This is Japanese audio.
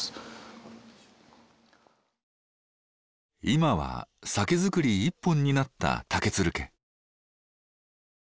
今は酒造り一本になった竹鶴家。